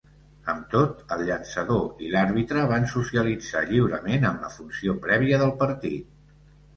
Amb tot, el llançador i l'àrbitre van socialitzar lliurement en la funció prèvia del partit.